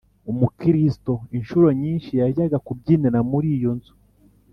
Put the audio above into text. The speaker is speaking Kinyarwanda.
Umukristo incuro nyinshi yajyaga kubyinira muri iyo nzu